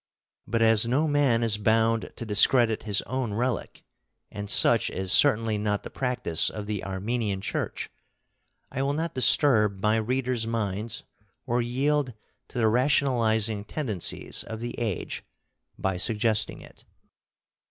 But as no man is bound to discredit his own relic, and such is certainly not the practice of the Armenian Church, I will not disturb my readers' minds or yield to the rationalizing tendencies of the age by suggesting it.